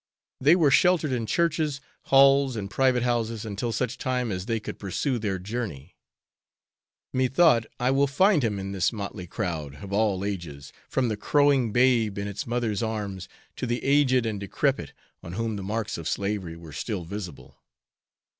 They were sheltered in churches, halls and private houses, until such time as they could pursue their journey. Methought, I will find him in this motley crowd, of all ages, from the crowing babe in its mother's arms, to the aged and decrepit, on whom the marks of slavery were still visible.